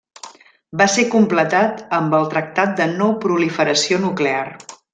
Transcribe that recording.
Va ser completat amb el Tractat de No Proliferació Nuclear.